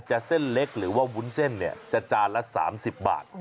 จะเส้นเล็กหรือว่าวุ้นเส้นเนี่ยจะจานละ๓๐บาท